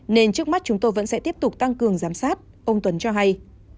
nên trước mắt chúng tôi vẫn sẽ tiếp tục tăng cường giám sát ông tuấn cho hay